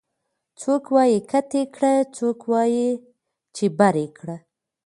څوک وايي کته کړه او څوک وايي چې بره کړه